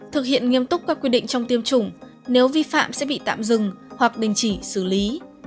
thực hiện nghiêm túc các quy định trong tiêm chủng nếu vi phạm sẽ bị tạm dừng hoặc đình chỉ xử lý